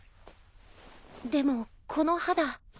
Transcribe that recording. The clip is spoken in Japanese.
でもこの肌。